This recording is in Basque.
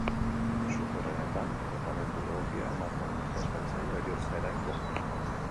Kasu okerrenetan, tratamendu egokia ematen ez bazaio, heriotza eragin dezake.